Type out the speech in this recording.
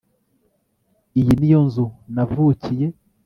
iyi ni yo nzu navukiye